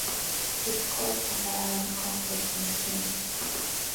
It caused a violent conflict in him.